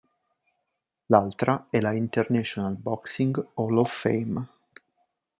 L'altra è la International Boxing Hall of Fame.